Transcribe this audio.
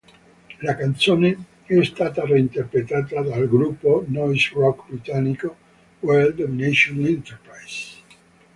La canzone è stata reinterpretata dal gruppo noise rock britannico World Domination Enterprises.